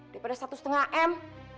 daripada satu setengah m